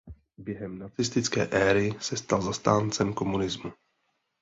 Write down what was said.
Během nacistické éry se stal zastánce komunismu.